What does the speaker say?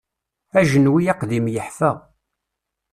Ajenwi aqdim yeḥfa.